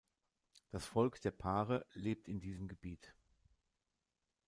Das Volk der Pare lebt in diesem Gebiet.